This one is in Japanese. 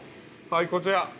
◆こちら。